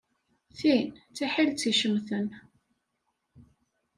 Tin d tiḥilet icemten.